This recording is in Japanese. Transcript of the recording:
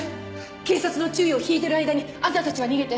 警察の注意を引いてる間にあんたたちは逃げて。